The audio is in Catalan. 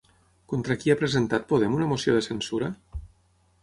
Contra qui ha presentat Podem una moció de censura?